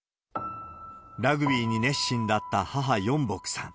ラグビーに熱心だった母、ヨンボクさん。